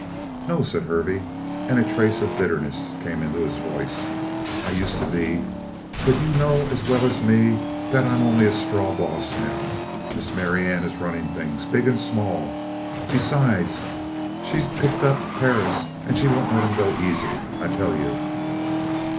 "No," said Hervey, and a trace of bitterness came into his voice. "I used to be. But you know as well as me that I'm only a straw boss now. Miss Marianne is running things, big and small. Besides, she picked up Perris. And she won't let him go easy, I tell you!"